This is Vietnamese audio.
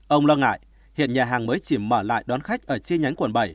ông lo ngại hiện nhà hàng mới chỉ mở lại đón khách ở chi nhánh quận bảy